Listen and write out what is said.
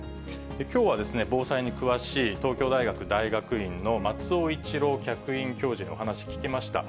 きょうはですね、防災に詳しい東京大学大学院の松尾一郎客員教授にお話聞きました。